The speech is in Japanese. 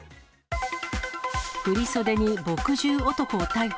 振り袖に墨汁男逮捕。